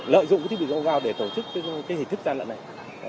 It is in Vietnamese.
lợi dụng cái thiết bị giao giao để tổ chức cái hình thức gian lận này